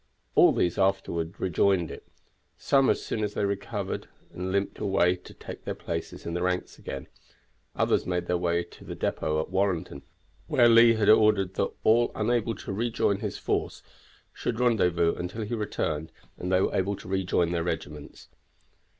All these afterward rejoined it; some as soon as they recovered limped away to take their places in the ranks again, others made their way to the depot at Warrenton, where Lee had ordered that all unable to accompany his force should rendezvous until he returned and they were able to rejoin their regiments.